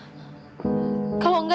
berkumpul untuk smw